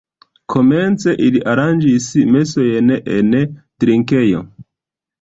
Komence ili aranĝis mesojn en drinkejo.